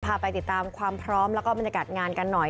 ไปติดตามความพร้อมแล้วก็บรรยากาศงานกันหน่อย